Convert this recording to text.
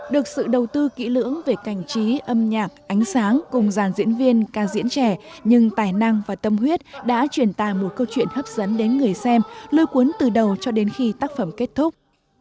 được sự đầu tư kỹ lưỡng về cảnh trí âm nhạc ánh sáng cùng dàn diễn viên ca diễn trẻ nhưng tài năng và tâm huyết đã truyền tài một câu chuyện hấp dẫn đến người xem lôi cuốn từ đầu cho đến khi tác phẩm kết thúc